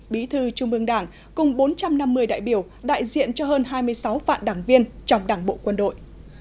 bí thư trung ương đảng cùng bốn trăm năm mươi đại biểu đại diện cho hơn hai mươi sáu vạn đảng viên trong đảng bộ quân đội